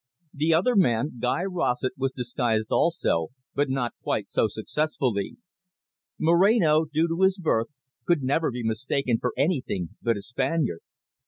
The other man, Guy Rossett, was disguised also, but not quite so successfully. Moreno, due to his birth, could never be mistaken for anything but a Spaniard.